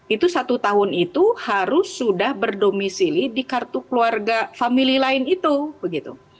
itu satu tahun itu harus sudah berdomisili di kartu keluarga famili lain itu begitu